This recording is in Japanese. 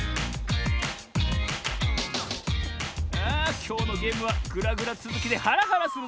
あきょうのゲームはグラグラつづきでハラハラするぜ。